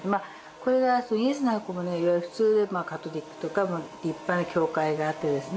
これがイエスの方舟いわゆる普通でカトリックとか立派な教会があってですね